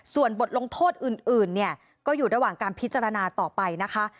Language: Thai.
ส่วนบทลงโทษอื่นเนี่ยก็อยู่ระหว่างการพิจารณาต่อไปนะคะ